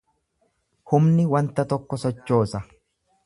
Humni wanta tokko sochoosa.